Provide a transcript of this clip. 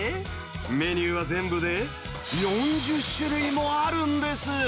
メニューは全部で４０種類もあるんです。